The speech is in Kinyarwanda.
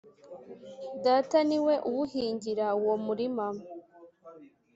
Data ni we uwuhingira uwo murima